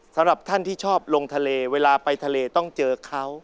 สำหรับท่านที่ชอบลงทะเลเวลาไปทะเลต้องเจอเขา